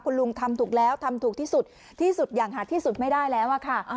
คุณลุงทำถูกแล้วทำถูกที่สุดที่สุดอย่างหาที่สุดไม่ได้แล้วอะค่ะ